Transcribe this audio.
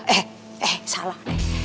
eh eh salah